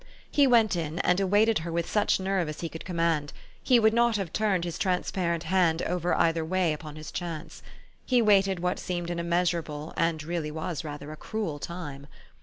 He went in, and awaited her with such nerve as he could command : he would not have turned his transparent hand over either way upon his chance. He waited what seemed an immeasurable, and really was rather a cruel time.